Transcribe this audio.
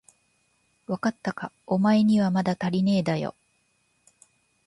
わかったか、おまえにはまだたりねえだよ。